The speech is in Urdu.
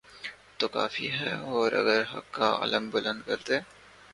تو کوفی ہیں اور اگر حق کا علم بلند کرتے